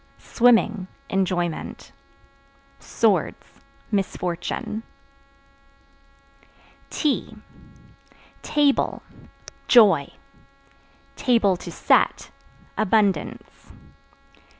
Swimming Enjoyment. Swords Misfortune. T Table Joy; (to set) abundance.